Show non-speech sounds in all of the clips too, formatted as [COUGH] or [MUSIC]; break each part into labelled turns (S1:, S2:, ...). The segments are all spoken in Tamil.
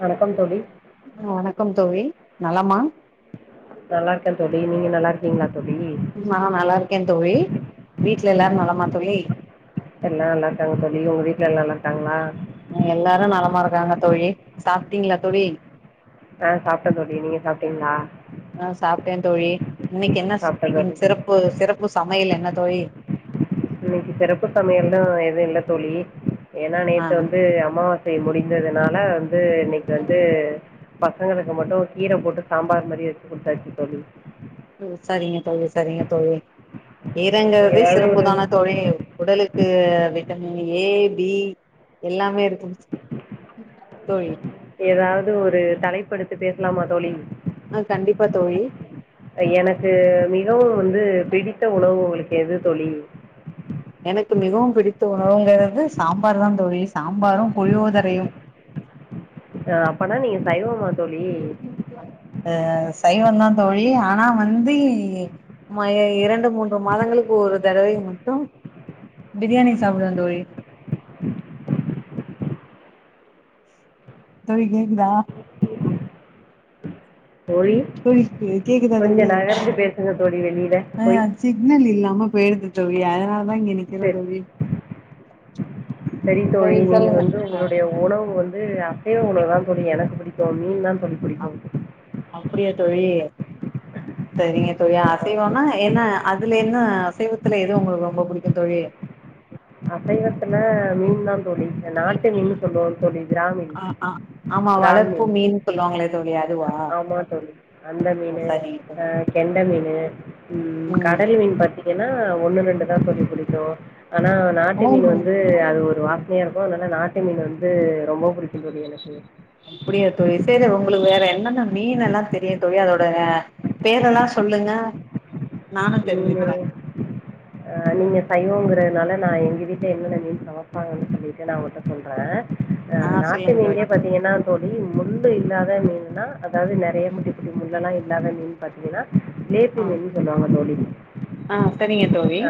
S1: வணக்கம் தோழி
S2: [UNINTELLIGIBLE] வணக்கம் தோழி நலமா
S1: நல்லாருக்கே தோழி நீங்க நல்லாருக்கீங்ளா
S2: நா நல்லாருக்கே தோழி வீட்ல எல்லாரு நலமா தோழி
S1: எல்லா நல்லாருக்காங்க தோழி உங்க வீட்ல எல்லா நல்லாருக்காங்ளா
S2: இங்க எல்லாரு நலமாருக்காங்கத் தோழி சாப்ட்டீங்களாத் தோழி
S1: ஆஹ் சாப்ட்டே தோழி நீங்க சாப்ட்டீங்களா
S2: ஆஹ் சாப்ட்டே தோழி இன்னைக்கென்ன ஸ்
S1: சாப்பிட்டேன்
S2: ம்
S1: தோழி
S2: சிறப்பு சிறப்பு சமையல் என்ன தோழி
S1: இன்னைக்கு சிறப்பு சமையல்னு எதுவும் இல்லை தோழி ஏனா
S2: ஆ
S1: நேத்து வந்து அம்மாவ செய் முடிந்ததுனால வந்து இன்னைக் வந்து பசங்களுக்கு மட்டும் கீர போட்டு சாம்பார் மாரி வெச்சுக் குடுத்தாச்சுத் தோழி
S2: ம் சரிங்க தோழி சரிங்க தோழி செய்றங்கறதே
S1: ஏதாவது
S2: சிறப்பு
S1: ஒரு
S2: தான தோழி உடலுக் கு விட்டமின் ஏ பி எல்லாமே இருக் தோழி
S1: ஏதாவது ஒரு தலைப்பெடுத்து பேசலாமா தோழி
S2: ஆ கண்டிப்பா தோழி
S1: எனக் க்கு மிகவும் வந்து பிடித்த உணவு உங்ளுக்கு எது தோழி
S2: எனக்கு மிகவும் பிடித்த உணவுங்கறது சாம்பார் தான் தோழி சாம்பாரும் புளியோதரையும்
S1: ஆ அப்பனா நீங்க சைவமா தோழி
S2: [INAUDIBLE] அ ஹஸ் சைவம் தான் தோழி ஆனா வந்து ம் இரண்டு மூன்று மாதங்களுக்கு ஒரு தடவை மட்டும் பிரியாணி சாப்பிடுவேன் தோழி தோழி கேக்குதா ம் தோழி கேக்குதா தோழி
S1: கொஞ்சம் நகர்ந்து பேசுங்க தோழி வெளியில் போய்
S2: ஆ சிக்னல் இல்லாம போயிடுது தோழி அதனால தான் இங்க நிக்குறே தோழி
S1: செரி தோழி நீங்க வந்து உங்ளுடைய உணவு வந் வந்து அசைவ உணவு தான் தோழி எனக்கு புடிக்கூ மீன் தான் தோழி
S2: அப்
S1: பிடிக்கும்
S2: அப்டியா தோழி செரிங்க தோழி அசைவன்னா என்ன அதுல என்ன அசைவத்துல எது உங்ளுக்கு ரொம்ப புடிக்கூ தோழி
S1: அசைவத்துல மீன் தான் தோழி நாட்டு மீன் சொல்லுவோம் தோழி விறா மீீன்
S2: ஆ ஆ ஆமா
S1: விறால்
S2: வளர்ப்பு
S1: மீன்
S2: சொல்லுவாங்களே தோழி அதுவா
S1: ஆமா தோழி அந்த மீனு
S2: சரிங்க தோழி
S1: கெண்ட மீன் கடல் மீன் பாத்திங்கனா ஒண்ணு ரெண்டு தான் தோழி புடிக்கூ ஆனா நாட்டு மீன் வந்து
S2: ம்
S1: அது ஒரு வாச் சனயா இருக்கும் அதனால நாட்டு மீன் வந்து ரொம்போ புடிக்கும் தோழி எனக்கு
S2: என்னன்னா மீன் எல்லாம் தெரியு தோழி அதோடெ பேரெல்லா சொல்லுங்க நானு
S1: மீனா
S2: தெரிஞ்சுக்கிறே
S1: அ நீங்க சைவோங்கிறதுனால நான் எங்க வீட்ல என்னென்ன மீன்னு சமைப்பாங்கன்னு சொல்லிட்டு நான் உங்ககிட்ட சொல்றே ஆ நாட்டு
S2: சொல்லுங்க தோழி
S1: மீன்லெ பாத்திங்கனா தோழி முள்ளு இல்லாத மீன்னு னா அதாவது நெறைய
S2: ம்
S1: குட்டி குட்டி முள்ளு ல்லா இல்லாத மீன் பாத்திங்கனா ஜிலேபி
S2: ஆ
S1: மீன் சொல்லுவாங்க தோழி
S2: ஆ செரிங்க தோழி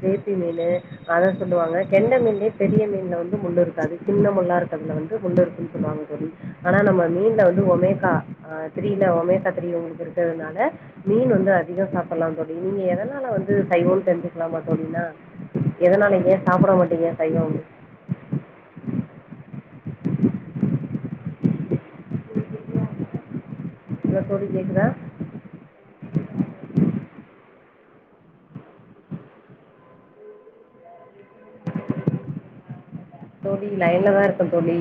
S1: ஜிலேபி மீனு அதா
S2: ம்
S1: சொல்லுவாங்க கெண்ட மீன்லயே பெரிய மீன்ல வந் முள்ளு இருக்காது சின்ன முள்ளா இருக்றதுலே வந்து முள்ளு இருக்னு சொல்லுவாங்க தோழி ஆனா மீன்லே வந்து ஒமேகா தெரியுலே மீனால மீன் வந்து அதிகம் சாப்பிடலா நீங்க எதனால வந்து சைவம்னு தெரிஞ்சுக்லாமா தோழி நா எதனால ஏன் சாப்புட மாட்டீங்க சைவம் ஹலோ தோழி கேக்குதா தோழி லைன்லதா இருக்கே தோழி